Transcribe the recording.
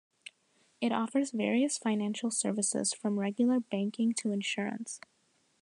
It offers various financial services, from regular banking to insurance.